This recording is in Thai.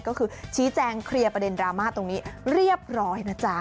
ก็คือชี้แจงเคลียร์ประเด็นดราม่าตรงนี้เรียบร้อยนะจ๊ะ